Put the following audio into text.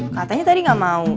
katanya tadi gak mau